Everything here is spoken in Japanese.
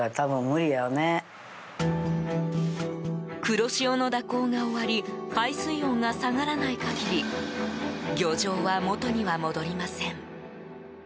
黒潮の蛇行が終わり海水温が下がらない限り漁場は元には戻りません。